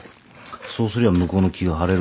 そうすりゃ向こうの気が晴れるから。